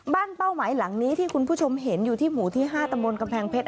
เป้าหมายหลังนี้ที่คุณผู้ชมเห็นอยู่ที่หมู่ที่๕ตำบลกำแพงเพชร